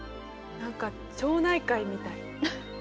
何か町内会みたい。